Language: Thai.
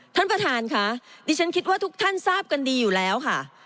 ท่านประธานค่ะดิฉันคิดว่าทุกท่านทราบกันดีอยู่แล้วค่ะ